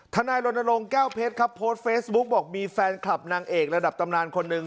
นายรณรงค์แก้วเพชรครับโพสต์เฟซบุ๊กบอกมีแฟนคลับนางเอกระดับตำนานคนหนึ่ง